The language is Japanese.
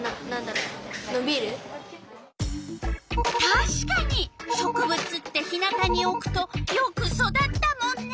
たしかに植物って日なたにおくとよく育ったもんね。